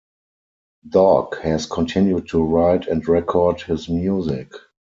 Dogg has continued to write and record his music.